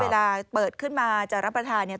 เวลาเปิดขึ้นมาจะรับประทานเนี่ย